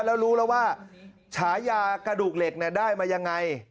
แล้วรู้แล้วว่าฉายากระดูกเหล็กได้มายังไง